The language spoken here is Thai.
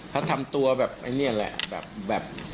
เขาทำตัวแบบไอ้นี่แหละแบบ